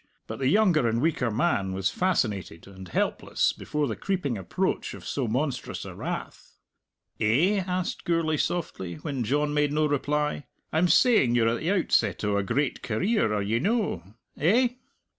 But the younger and weaker man was fascinated and helpless before the creeping approach of so monstrous a wrath. "Eh?" asked Gourlay softly, when John made no reply; "I'm saying you're at the outset o' a great career; are ye no? Eh?"